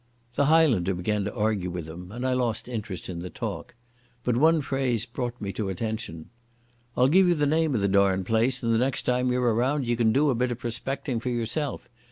The Highlander began to argue with him, and I lost interest in the talk. But one phrase brought me to attention. "I'll give you the name of the darned place, and next time you're around you can do a bit of prospecting for yourself.